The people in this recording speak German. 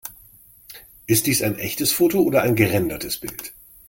Ist dies ein echtes Foto oder ein gerendertes Bild?